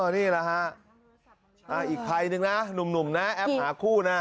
นี่แหละฮะอีกใครนึงนะหนุ่มนะแอปหาคู่นะ